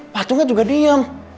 patungnya juga diem